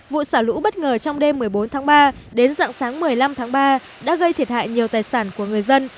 vụ xả lũ bất ngờ trong đêm một mươi bốn tháng ba đến dạng sáng một mươi năm tháng ba đã gây thiệt hại nhiều tài sản của người dân